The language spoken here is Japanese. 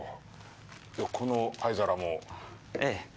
この灰皿も？ええ。